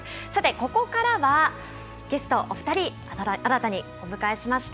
ここからは、ゲストお二人、新たにお迎えしました。